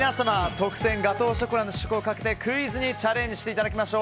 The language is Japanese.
特撰ガトーショコラの試食をかけてクイズにチャレンジしていただきましょう。